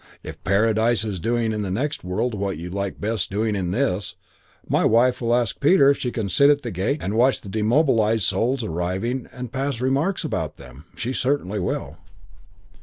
If Paradise is doing in the next world what you best liked doing in this, my wife will ask Peter if she can sit at the gate and watch the demobilised souls arriving and pass remarks about them. She certainly will.